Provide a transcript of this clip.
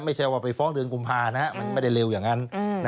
ไม่ใช่ว่าไปฟ้องเดือนกุมภานะมันไม่ได้เร็วอย่างนั้น